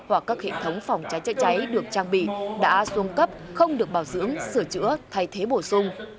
và các hệ thống phòng cháy cháy cháy được trang bị đã xuân cấp không được bảo dưỡng sửa chữa thay thế bổ sung